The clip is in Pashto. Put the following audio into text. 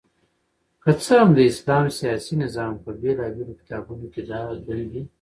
که څه هم د اسلام سياسي نظام په بيلابېلو کتابونو کي دا دندي